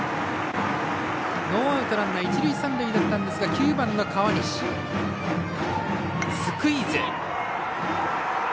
ノーアウト、ランナー一塁三塁でしたが９番の川西、スクイズ。